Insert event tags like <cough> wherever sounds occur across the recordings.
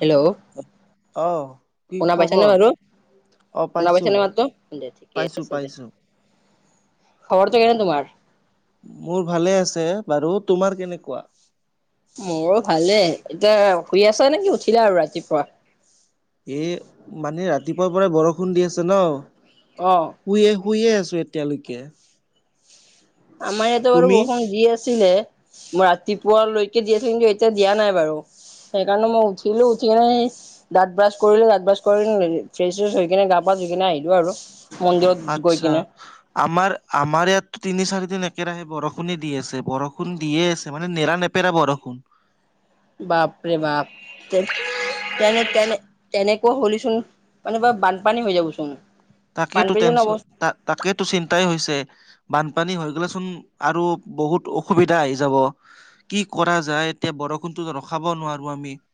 Hello <inaudible> অহ <unintelligible> শুনা পাইছা নে খবৰ বাৰু? অ শুনা পাইছো পাইছনে মাততো? দে ঠিকে পাইছো আছে দে। পাইছো <unintelligible> খবৰটো কেনে তোমাৰ? <inaudible> মোৰ ভালে আছে বাৰু। তোমাৰ কেনেকুৱা? <unintelligible> মোৰো ভালে। এতিয়া শুই আছা নেকি উঠিলা আৰু ৰাতিপুৱা? <inaudible> এ মানে ৰাতিপুৱাৰ পৰাই বৰষুণ দি আছে ন? <unintelligible> অঁ <unintelligible> শুইয়ে-শুইয়ে আছোঁ এতিয়ালৈকে। <unintelligible> আমাৰ ইয়াতে বাৰু তুমি বৰষুণ দি আছিল হে। <unintelligible> মই ৰাতিপুৱালৈকে দি আছিলে কিন্তু এতিয়া দিয়া নাই বাৰু। <unintelligible> সেইকাৰণে মই উঠিলো উঠি এনেই <unintelligible> দাঁত ব্ৰাছ কৰিলোঁ দাঁত ব্ৰাছ কৰি ফ্ৰেচ-চেচ হৈ কিনে গা পা ধুই কিনে আহিলো আৰু। <unintelligible> মন্দিৰত গৈ কিনে। <inaudible> আমাৰ-আমাৰ ইয়াততো তিনি-চাৰি দিন একেৰাহে বৰষুণে দি আছে বৰষুণ দিয়ে আছে। মানে নেৰা-নেপ <unintelligible> পেৰা বৰষুণ। <inaudible> বাপৰে বাপ <unintelligible> তেনে-তেনে-তেনেকুৱা হ'লে চোন মানে <unintelligible> বানপানী হৈ যাব চোন। তাকেতো টেনচন <inaudible> তাকেতো চিন্তাই হৈছে। বানপানী হৈ গ'লে চোন আৰু বহুত অসুবিধা আহি যাব। <unintelligible> কি কৰা যায় এতিয়া বৰষুণটো ৰখাব নোৱাৰোঁ আমি। <unintelligible>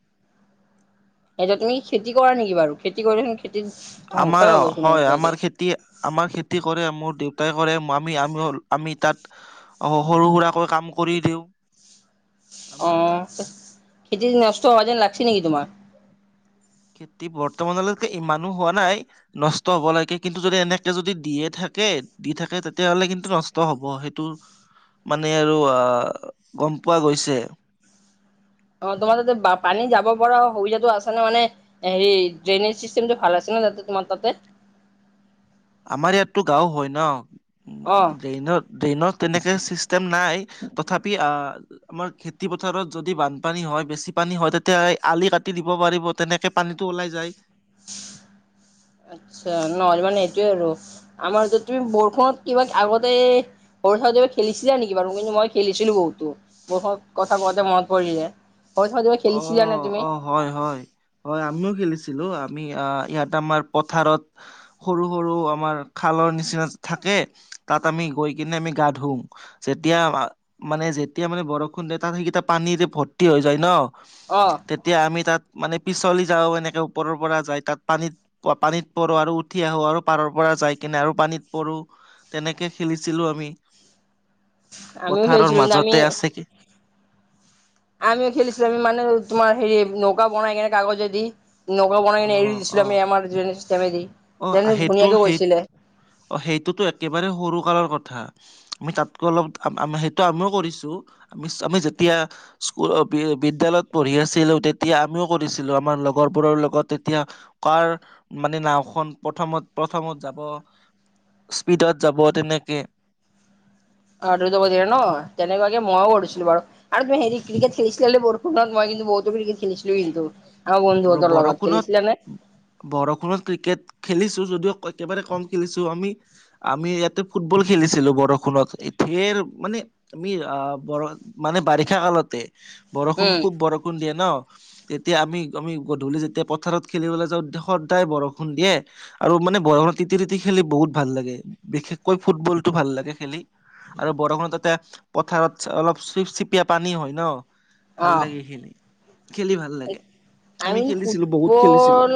এতিয়া তুমি খেতি কৰা নেকি বাৰু? খেতি কৰিলে চোন খেতিত <unintelligible> আমাৰ হ'বচোন হয় <inaudible> এনেকুৱাকে। আমাৰ খেতি আমাৰ খেতি কৰে। মোৰ দেউতাই কৰে। আমি-আমি-আমি তাত <unintelligible> অ সৰু সুৰাকৈ কাম কৰি দিওঁ। <unintelligible> আমাৰ অঁ! খেতি নষ্ট হোৱা যেন লাগিছে নেকি তোমাৰ? <unintelligible> খেতি বৰ্তমানলৈকে ইমানো হোৱা নাই। <unintelligible> নষ্ট হ'ব লাগে কিন্তু যদি এনেকে যদি দিয়ে থাকে দি থাকে তেতিয়া হ'লে কিন্তু নষ্ট হ'ব সেইটো মানে আৰু আহ গম পোৱা গৈছে। অ তোমাৰ তাতে পানী যাব পৰা সুবিধাো আছে নে মানে হেৰি ড্ৰেইনেজ চিষ্টেমটো ভাল আছে ন তাতে তোমাৰ তাতে? আমাৰ ইয়াততো গাও হয় ন, অ', ড্ৰেইনত। ড্ৰেইনত তেনেকে চিষ্টেম নাই তথাপি আ আমাৰ খেতি পথাৰত যদি বানপানী হয় বেছি পানী হয় তেতিয়া আলি কাটি দিব পাৰিব তেনেকে পানীতটো ওলাই যায়। আচ্ছা নহ'লে মানে এটোয়ে আৰু আমাৰ তুমি বৰষুণত কিবা আগতে সৰু থকোতে খেলিছিলা নেকি বাৰু কিন্তু মই খেলিছিলো বহুতো। বহুত কথা কওঁতে মন পৰিলে। সৰু থাকোতে কিবা অ খেলিছিলা নে তুমি? অ হয় হয় হয় আমিও খেলিছিলো আমি আহ ইয়াত আমাৰ পথাৰত। সৰু সৰু আমাৰ খালৰ নিচিনা থাকে তাত আমি গৈ কিনে আমি গা ধুও। যেতিয়া মানে যেতিয়া মানে বৰষুণ দিয়ে তাত সেইকেইটা পানী যে ভৰ্তি হৈ যায় ন। অৱ। তেতিয়া আমি তাত মানে পিছলি যাওঁ এনেকে ওপৰৰ পৰা যায় তাত পানীত। পানীত পৰো আৰু উঠি আহো আৰু পাৰৰ পৰা যাই কিনে আৰু পানীত পৰো। তেনেকে খেলিছিলো আমি, আমিও পথাৰৰ খেলিছিলোঁ কিন্তু আমি মাজতে আছে কি আমিও খেলিছিলো আমি মানে তোমাৰ হেৰি নৌকা বনাই কেনে কাগজে দি। নগা বনাই কিনে এৰি অ', দিছিলোঁ অ', আমি আমাৰ যোৱেনি ষ্টেষ্টমেদি অ', যেনে সেইটো ধুনীয়াকৈ সেই গৈছিলে। অ সেইটোতো একেবাৰে সৰু কালৰ কথা। আমি তাতকৈ অলপ আমি সেইটো আমিও কৰিছো আমি আমি যেতিয়া স্কুল বিদ্য়ালয়ত পঢ়ি আছিলো তেতিয়া আমিও কৰিছিলো আমাৰ লগৰবোৰৰ লগত তেতিয়া। কাৰ মানে নাও। খ প্ৰথমত প্ৰথমত যাব। স্পীডত যাব তেনেকে অৱ ধৰি যাব দিয়ে ন তেনেকুৱাকে ময়ো কৰিছিলো বাৰু। আৰু তুমি হেৰি ক্ৰিকেট খেলিছিলা হ বৰষুণত মই কিন্তু বহুতো ক্ৰিকেট খেলিছিলো কিন্তু। আগ বন্ধু বৰ- হেতৰ লগত বৰষুণত খেলিছিলা নে? বৰষুণত ক্ৰিকেট খেলিছো যদিও একেবাৰে কম খেলিছো, আমি আমি ইয়াত ফুটবল খেলিছিলো বৰষুণত। ধেৰ মানে আমি বৰ মানে বাৰিষা কালতে। বৰষুণ উম খুব বৰষুণ দিয়ে ন তেতিয়া আমি ত আমি গধূলি যেতিয়া পথাৰত খেলিবলৈ যাওঁ সদায় বৰষুণ দিয়ে। আৰু মানে বৰষুণত তিতি খেলি বহুত ভাল লাগে বিশেষকৈ ফুটবলটো ভাল লাগে খেলি। আৰু বৰষুণত তাতে পথাৰত অলপ চিপ চিপিয়া পানী হয় ন। ভাল অ লাগে খেলি, খেলি ভাল লাগে। আমি আমিনো খেলিছিলো বহুত খেলিছিলো ফুটবল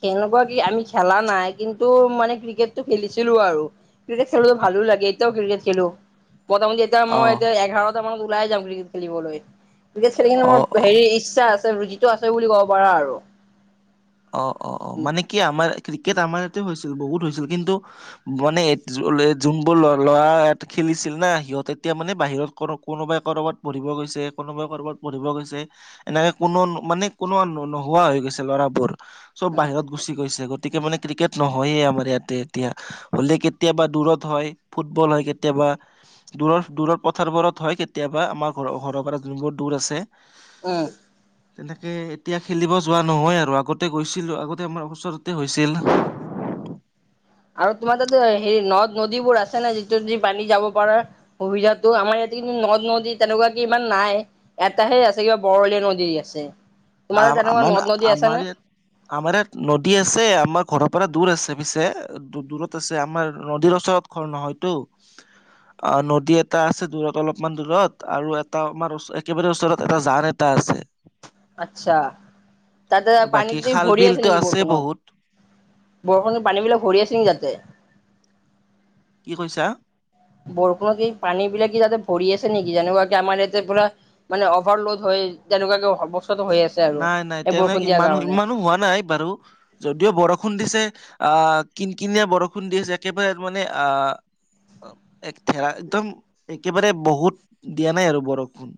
কেনেকুৱা কি আমি খেলা নাই কিন্তু মানে ক্ৰিকেটতটো খেলিছিলো আৰু। ক্ৰিকেট খেলো ভালো লাগে এতিয়াও ক্ৰিকেট খেলো। প্ৰথমতে এতিয়া অ', মই এতিয়া এঘাৰটা মানত ওলাই যাম ক্ৰিকেট খেলিবলৈ ক্ৰিকেট খেলি পিনে মোৰ অ', অ', হেৰি ইচ্ছা আছে। ৰোগীতো আছে বুলি ক'ব পাৰা আৰু। অৱ অৱ অৱ মানে কি আমাৰ ক্ৰিকেট আমাৰ ইয়াতে হৈছিল বহুত হৈছিল। কিন্তু মানে যোনবোৰ ল ল'ৰা ইাত খেলিছিল না সিহঁত এতিয়া মানে বাহিৰত কোনো কোনোবাই ক'ৰবাত পঢ়িব গৈছে কোনোবাই ক'ৰবাত পঢ়িব গৈছে। এনেকে কোনো মানে কোনো নোহোৱা হৈ গৈছে ল'ৰাবোৰ। সব বাহিৰত গুচি গৈছে গতিকে মানে ক্ৰিকেট নহয়ে আমাৰ ইয়াতে এতিয়া। হলে কেতিয়াবা দূৰত হয়, ফুটবল হয় কেতিয়াবা। দূৰৰ দূৰৰ পথাৰবোৰত হয় কেতিয়াবা, আমাৰ ঘৰ ঘৰৰ পৰা যোনবোৰ দূৰ আছে। উম। তেনেকে এতিয়া খেলিব যোৱা নহয় আৰু আগত তে গৈছিলোঁ আগতে আমাৰ ওচৰতে হৈছিল। আৰু তোমাৰ তাতে হেৰি নদ নদীবোৰ আছে নে যিটো দি পানী যাব পাৰাৰ সুবিধাতো আমাৰ ইয়াত কিন্তু নদ নদী তেনেকুৱা কি ইমান নাই। এটাহে আছে কিবা বৰলীয়া নদী আছে তোমাৰ তেনেকুৱা আমাৰ নদ নদী আছে আমাৰ নে? ইয়াত আমাৰ ইয়াত নদী আছে আমাৰ ঘৰৰ পৰা দূৰ আছে পিছে। দু দূৰত আছে আমাৰ নদীৰ ওচৰত ঘৰ নহয়টো। অ নদী এটা আছে দূৰত অলপমান দূৰত আৰু এটা আমাৰ একেবাৰে ওচৰত এটা জান এ এটা আছে। আচ্ছা তাতে আৰু পানী বাকী দি খাল ভৰি আছে বিলতো নেকি বৰষুণত? বহুত বৰষুণৰ পানী বিলাক ভৰি আছে নেকি তাতে? কি কৈছা? বৰষুণত কি পানী বিলাক কি যাতে ভৰি আছে নেকি যেনেকুৱা কি আমাৰ ইয়াতে পোৰা মানে অভাৰলোড হয় তেনেকুৱাকে বস্তুটো হৈ আছে আৰু। নাই নাই এই তেনে বৰষুণ দিয়াৰ ইমান কাৰণে। ইমানো হোৱা নাই বাৰু। যদিও বৰষুণ দিছে আহ কিন কিনিয়া বৰষুণ দিছে একেবাৰে মানে আহ অ একেৰা একদম একেবাৰে বহুত দিয়া নাই আৰু বৰষুণ।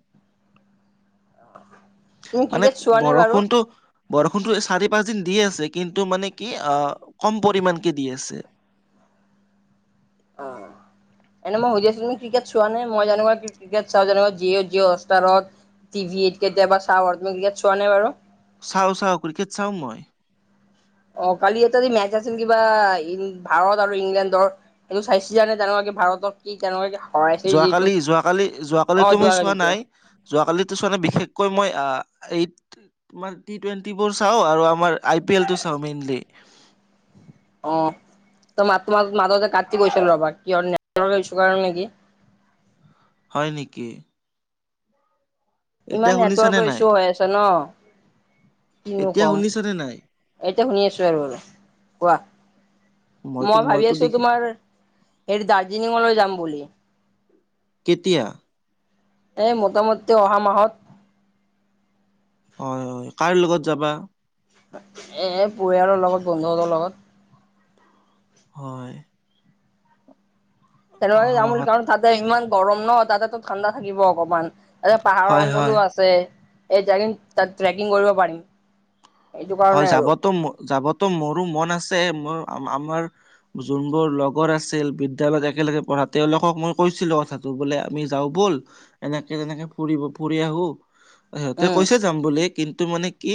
তুমি মানে ক্ৰিকেট চোৱা নে বাৰু? বৰষুণটো‌ বৰষুণটো চাৰি পাঁচ দিন দি আছে কিন্তু মানে কি অ কম পৰিমানকে দি আছে। অ'। <inaudible> এনে মই সুধি আছিলো তুমি ক্ৰিকেট চোৱা নে মই যেনেকৈ ক্ৰিকেট চাওঁ জি' জিঅ হটষ্টাৰত? টিভিত কেতিয়াবা চাওঁ আৰু তুমি ক্ৰিকেট চোৱা নে বাৰু? চাওঁ চাওঁ ক্ৰিকেট চাওঁ মই। অ কালি এটা যে মেচ আছিল কিবা ইন ভাৰত আৰু ইংলেণ্ডৰ। সেইটো চাইছিলা নে তেনেুৱাকে ভাৰতত কি তেনেকাকে যোৱাকালি যোৱাকালি যোৱাকালি টো মই চোৱা যোৱাকালিতো নাই যোৱাকালিতো চোৱা নাই বিশেষকৈ মই আহ এই তোমাৰ টি টুৱেন্টিবোৰ চাওঁ আৰু আমাৰ আই পি এলটো চাওঁ মেইনলি। অ ত মাত তোমাৰ মাজতে কাটি গৈছিল ৰবা কিহৰ নেটৱৰ্কৰ ইচু কাৰণে নেকি? হয় নেকি? এতিয়া ইমান শুনিছানে নেটৱৰ্কৰ নাই ইছ্যু হৈ আছে ন? কিনো এতিয়া কম, শুনিছানে নাই এতিয়া শুনি আছোঁ আৰু বাৰু কোৱা। মইতো মই ভাবি মইতো আছোঁ দেখি তোমাৰ হেৰি দাৰ্জিলিঙলৈ যাম বুলি। কেতিয়া? এ মোটামুটি অহা মাহত। হয় হয়, কাৰ লগত যাবা? এই পৰিয়ালৰ লগত বন্ধু হঁতৰ লগত। হয়। তেনেকুৱাকে অহা যাম মাহত বুলি কাৰণ তাতে ইমান গৰম ন তাতেতো ঠাণ্ডা থাকিব অকমান। এ পাহাৰৰ হয়, হয়, অঞ্চলো আছে এ যায় কিন তাত ট্ৰেকিং কৰিব পাৰিম। এইটো কাৰণে হয়, আৰু যাবতো যাবতো মোৰো মন আছে। মোৰ আমাৰ যোনবোৰ লগৰ আছিল, বিদ্যালয়ত একেলগে পঢ়া, তেওঁলোকক মই কৈছিলোঁ কথাটো, বোলো, আমি যাওঁ ব'ল। এনেকে, তেনেকে ফুৰিব ফুৰি আহো। সিহঁতে উম কৈছে যাম বুলি, কিন্তু মানে কি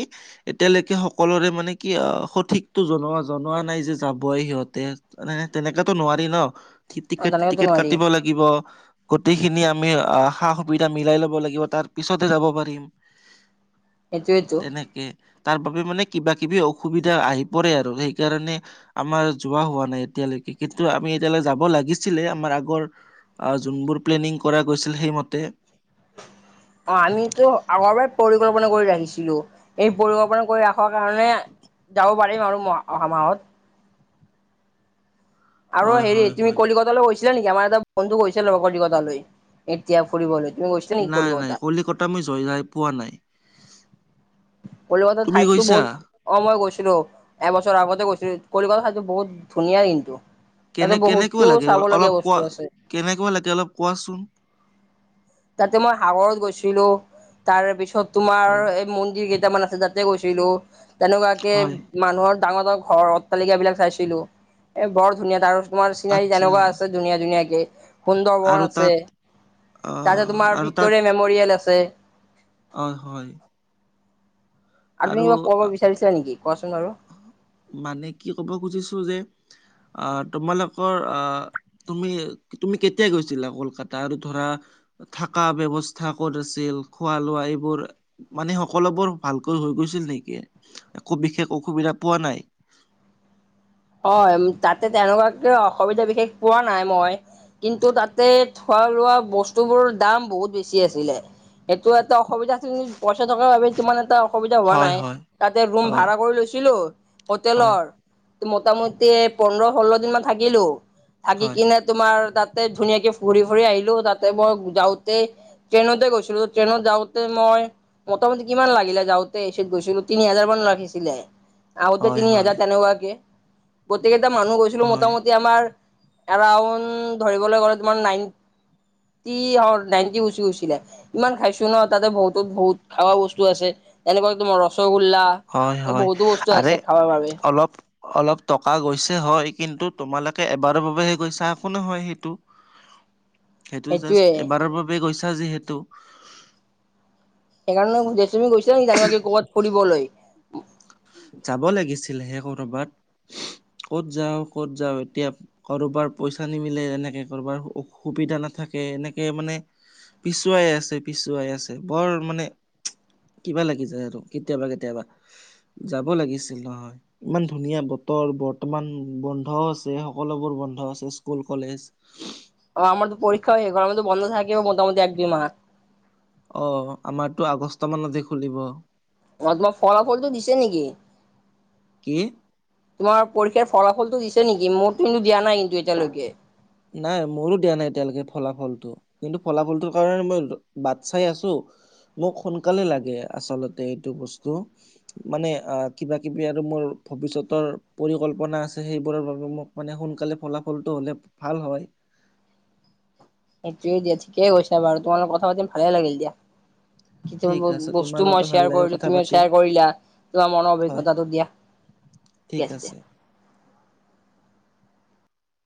এতিয়ালে সকলোৰে মানে কি অ' সঠিকতো জনোৱা জনোৱা নাই যে যাবই সিহঁতে। মানে তেনেকাতো নোৱাৰি ন, তেনেকেতো টিকেট-টিকেট নোৱাৰি কাটিব লাগ গিব, গোটেইখিনি আমি অ সা-সুবিধা মিলাই লব লাগিব, তাৰ পিছতহে যাব পাৰিম। <inaudible> এইটোৱেটো। তেনেকে তাৰ বাবে মানে কিবা-কিবি অসুবিধা আহি পৰে আৰু সেইকাৰণে আমাৰ যোৱা হোৱা নাই এতিয়ালৈকে, কিন্তু আমি এতিয়ালৈ যাব লাগিছিলে আমাৰ আগৰ আহ, যোনবোৰ প্লেনিং কৰা গৈছিল সেইমতে। অ', আমিতো আগৰ পৰা পৰিকল্পনা কৰি ৰাখিছিলোঁ। এই পৰিৱৰ্তন কৰি ৰাখাৰ কাৰণে যাব পাৰিম আৰু অহা মাহত। আৰু হয় হেৰি হয় তুমি হয় কলিকত <unintelligible> গৈছিলা নেকি? আমাৰ এটা বন্ধু গৈছিলে, কলিকতালৈ লৈ এতিয়া ফুৰিবলৈ গৈছোঁ। নাই নাই, কলিকতা মই যায়েই পোৱা নাই। কলিকতাৰ তুমি ঠাইতো গৈছা বহুত অঁ, মই গৈছিলোঁ। এবছৰ আগতে গৈছিলোঁ, কলিকতাখন বহুত ধুনীয়া কিন্তু। তাতে কেনে বহুতো কেনেকুৱা লাগে চাব লগীয়া অলপ বস্তু কোৱা আছে। কেনেকুৱা লাগে, অলপ কোৱাচোন? তাতে মই সাগৰত গৈছিলোঁ, তাৰ পিছত তোমাৰ হয় এই মন্দিৰ কেইটামান আছে তাত তাতে গৈছিলো তেনেকুৱাকে হয় মানুহৰ ডাঙৰ-ডাঙৰ ঘৰ, অট্টালিকা বিলাক চাইছিলোঁ, এ বৰ ধুনীয়া আৰু তোমাৰ চিনাৰী আচ্ছা যেনেকুৱা আছে ধুনীয়া-ধুনীয়াকে সুন্দৰ আৰু <unintelligible> আছে। তাত তাতে, আহ তোমাৰ আৰু তাত ভিক্টৰে মেমৰিয়েল আছে। অ', হয়। আৰু আপুনি কিবা কব বিচাৰিছে নেকি? কোৱাচোন বাৰু। মানে কি ক'ব খুজিছোঁ, যে তোমালোকৰ তুমি তুমি কেতিয়া গৈছিলা কলকাতা? আৰু ধৰা থাকা ব্যবস্থা কৰি থৈছিল, খোৱা-লোৱা এইবোৰ মানে সকলোবোৰ ভাল। <unintelligible> গৈছিল নেকি? একো বিশেষ অসুবিধা পোৱা নাই? হয় তাতে, তেনেকুৱাকে অসুবিধা বিশেষ পোৱা নাই মই। কিন্তু তাতে থোৱা-লোৱা বস্তুবোৰ দাম বহুত বেছি আছিলে। সেইটো এটা অসুবিধা উম, পইচা থকা বাবে তোমাৰ এটা অসুবিধা হোৱা হয় নাই, হয় তাতে ৰুম হয় ভাড়া কৰি লৈছিলোঁ। হয় হোটেলৰ মোটামুটি পোন্ধৰ-ষোল্ল দিন মান থাকিলো। থাকি হয় কিনে তোমাৰ তাতে ধুনীয়াকে ফুৰি-ফুৰি আহিলোঁ। তাতে মই যাওঁতে ট্ৰেইনতে গৈছিলোঁ, ট্ৰেইনত যাওঁতে মই মোটামুটি কিমান লাগিলে যাওঁতে? এচিত গৈছিলোঁ, তিনি হাজাৰ মান লাগিছিলে। <unintelligible> হয় তিনি হয় হাজাৰ তেনেকুৱাকে। গোটেইকেইটা মানুহ গৈছিলোঁ, হয় মোটামুটি আমাৰ এৰাউন ধৰিবলে গলে তোমাৰ নাইন টি অ' নাইনটি গুচি গৈছিলে। ইমান খাইছো ন, তাতে বহুতো বহুত খাৱা বস্তু আছে। এনেকুৱা তোমাৰ ৰসগোল্লা, হয় হয়, বহুতো বস্তু আৰে আছে খাবৰ বাবে অলপ অলপ টকা গৈছে হয় কিন্তু তোমালোকে এবাৰৰ বাবেহে গৈছা একো নহয় সেইটো। এইটো সেইটোয়ে জাষ্ট এবাৰৰ বাবে গৈছা যিহেতু সেইকানো জেচুমি গৈছিলা নেকি জানো আকি ক'ৰবাত ফুৰিবলৈ। যাব লাগিছিল হে কৰ'বাত ক'ত যাওঁ ক'ত যাওঁ এতিয়া কৰবাৰ পইচা নিমিলে এনেকে কৰবাৰ সুবিধা নাথাকে এনেকে মানে পিছুৱাই আছে পিছুৱাই আছে বৰ মানে কিবা লাগি যায় আৰু কেতিয়াবা কেতিয়াবা। যাব লাগিছিল নহয়। ইমান ধুনীয়া বতৰ বৰ্তমান বন্ধ আছে সকলোবোৰ বন্ধ আছে স্কুল কলেজ <unintelligible> অ আমাৰ পৰীক্ষা শেষ হোৱাৰ পিছত বন্ধ থাকে মোটামুটি এক দুই মাহ। অ আমাৰতো আগষ্ট মানতে খুলিব। অ তোমাৰ ফলাফলটো দিছে নেকি? কি? তোমাৰ পৰীক্ষাৰ ফলাফলতো দিছে নেকি মোৰতো কিন্তু দিয়া নাই এতিয়ালৈকে। নাই মোৰো দিয়া নাই এতিয়ালৈকে ফলাফলটো। কিন্তু ফলাফলটোৰ কাৰণে মই বাট চাই আছো। মোক সোনকালে লাগে আচলতে এইটো বস্তু। মানে আহ কিবা কিবি আৰু মোৰ ভৱিষ্যতৰ পৰিকল্পনা আছে সেইবোৰৰ বাবে মোক মানে সোনকালে ফলাফলটো হ'লে ভাল হয়। সেইটোৱে দিয়া ঠিকেই কৈছ বাৰু তোমালোক কথা পাতিম ভালে লাগিল দিয়া। ঠিক আছে <unintelligible> তোমাৰ বস্তু লগতে মই ভাল শ্বেয়াৰ লাগিল কৰিলো কথা তুমি পাতি শ্বেয়াৰ কৰিলা। তোমাৰ মনৰ হয় অভিজ্ঞতাটো দিয়া। ঠিক আছে।